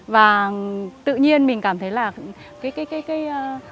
và tự nhiên mình cảm thấy